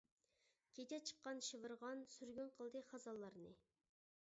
كېچە چىققان شىۋىرغان، سۈرگۈن قىلدى خازانلارنى.